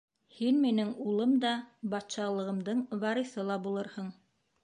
Һин минең улым да, батшалығымдың вариҫы ла булырһың.